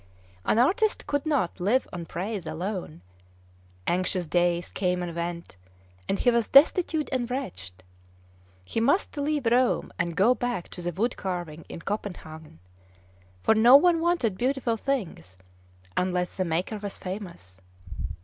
An artist could not live on praise alone. Anxious days came and went, and he was destitute and wretched. He must leave Rome, and go back to the wood carving in Copenhagen; for no one wanted beautiful things, unless the maker was famous.